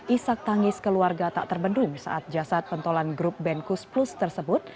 isak tangis keluarga tak terbendung saat jasad pentolan grup band kus plus tersebut